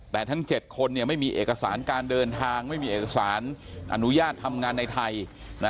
แต่ทั้ง๗คนไม่มีเอกสารการเดินทางไม่มีเอกสารอนุญาตทำงานในไทยนะ